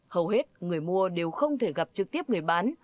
hầu hết người mua đều không thể gặp trực tiếp người bán